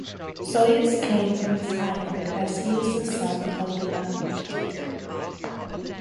Soyuz came from this island as he is the son of the unnamed leader.